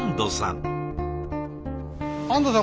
安堵さん